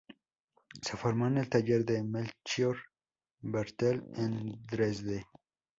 Se formó en el taller de Melchior Barthel en Dresde.